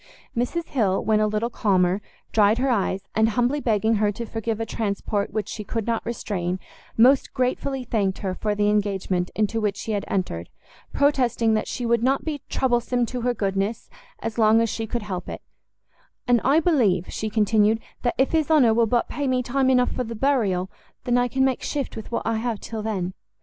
Mrs Hill, when a little calmer, dried her eyes, and humbly begging her to forgive a transport which she could not restrain, most gratefully thanked her for the engagement into which she had entered, protesting that she would not be troublesome to her goodness as long as she could help it; "And I believe," she continued, "that if his honour will but pay me time enough for the burial, I can make shift with what I have till then.